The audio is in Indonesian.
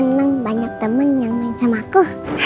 aku senang banyak teman yang main sama aku